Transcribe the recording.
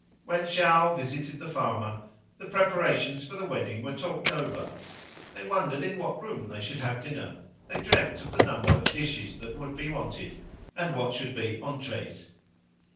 When Charles visited the farmer, the preparations for the wedding were talked over; they wondered in what room they should have dinner; they dreamed of the number of dishes that would be wanted, and what should be entrees.